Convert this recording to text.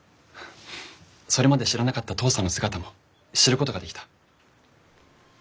それまで知らなかった父さんの姿も知ることができた。